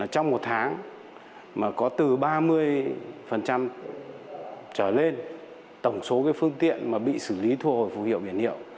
trong một tháng mà có từ ba mươi trở lên tổng số phương tiện bị xử lý thu hồi phù hiệu biển hiệu